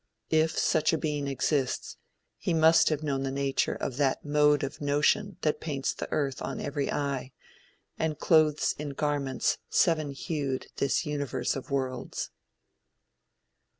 If such a being exists, he must have known the nature of that "mode of motion" that paints the earth on every eye, and clothes in garments seven hued this universe of worlds.